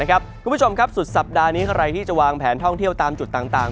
กลุ่มชมครับสุดสัปดาห์นี้เวลาที่จะวางแข่งแผนเท่าที่เติมจากจุดต่าง